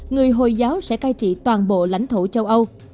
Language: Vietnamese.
người hồi giáo sẽ cai trị toàn bộ lãnh thổ châu âu